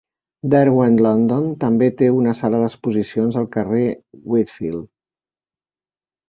Derwent London també té una sala d'exposicions al carrer Whitfield.